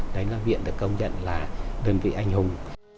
đấy là viện được công nhận là đơn vị anh hùng